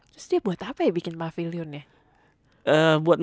terus dia buat apa ya bikin pavilionnya